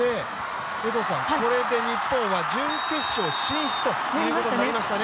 これで日本は準決勝進出ということになりましたね。